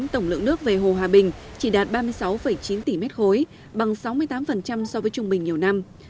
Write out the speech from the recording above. tổng lượng nước về hồ hòa bình chỉ đạt ba mươi sáu chín tỷ m ba bằng sáu mươi tám so với trung bình nhiều năm